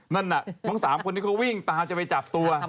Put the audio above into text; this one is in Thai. นั่นน่ะบางสามคนที่เขาวิ่งตามจะไปจับตัว